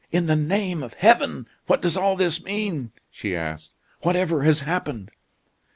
"In the name of heaven, what does this all mean?" she asked. "Whatever has happened?"